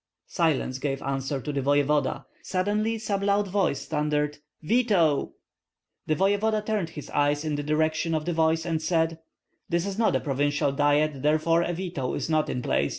Silence gave answer to the voevoda; suddenly some loud voice thundered, "Veto!" The voevoda turned his eyes in the direction of the voice and said: "This is not a provincial diet, therefore a veto is not in place.